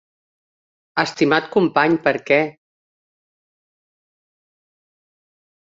Estimat company, per què?